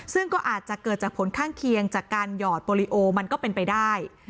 ซึ่งก็อาจจะเกิดจากผลข้างเคียงจากการหยอดโปรลิโอมันก็เป็นไปได้